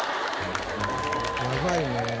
やばいね。